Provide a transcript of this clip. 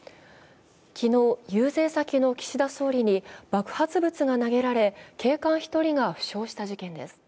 昨日、遊説先の岸田総理に爆発物が投げられ警官１人が負傷した事件です。